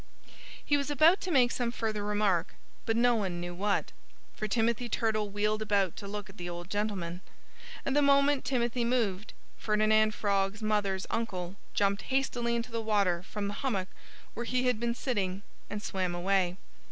He was about to make some further remark. But no one knew what. For Timothy Turtle wheeled about to look at the old gentleman. And the moment Timothy moved, Ferdinand Frog's mother's uncle jumped hastily into the water from the hummock where he had been sitting, and swam away.